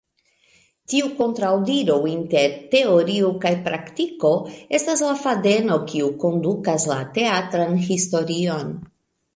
Tiu kontraŭdiro inter teorio kaj praktiko estas la fadeno kiu kondukas la teatran historion.